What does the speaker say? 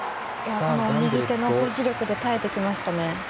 右手の保持力で耐えてきましたね。